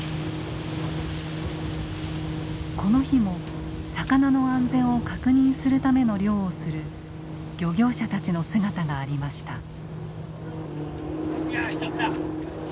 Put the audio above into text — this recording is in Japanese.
この日も魚の安全を確認するための漁をする漁業者たちの姿がありました。